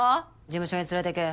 事務所に連れてけ。